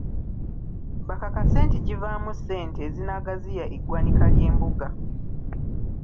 Bakakase nti givaamu ssente ezinaagaziya eggwanika ly’embuga.